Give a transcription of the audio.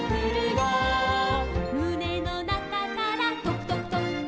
「むねのなかからとくとくとく」